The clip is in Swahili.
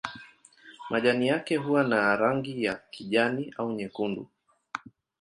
Majani yake huwa na rangi ya kijani au nyekundu.